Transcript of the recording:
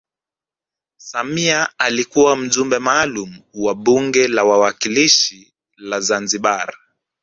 samia alikuwa mjumbe maalum wa bunge la wawakilishi la zanzibar